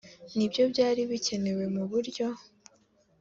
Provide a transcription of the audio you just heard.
ni byo byari bikenewe mu buryo